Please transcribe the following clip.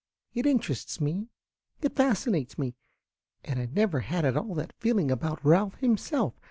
It interests me, it fascinates me; and I never had at all that feeling about Ralph himself.